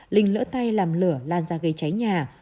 linh lỡ tay làm lửa lan ra gây cháy nhà